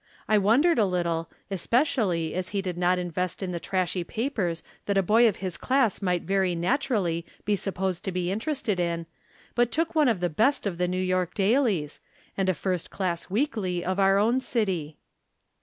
I wondered a little, especially as he did not invest in the trashy papers that a boy of his class might very naturaUy be supposed to be interested in, but took one of the best of the New York dailies, and a first class weekly of our own city.